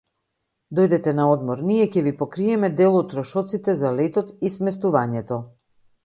Дојдете на одмор, ние ќе ви покриеме дел од трошоците за летот и сместувањето